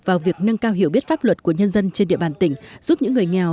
vào việc nâng cao hiểu biết pháp luật của nhân dân trên địa bàn tỉnh giúp những người nghèo